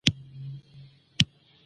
ځمکې! ولې دومره ډېره خوځېدلې؟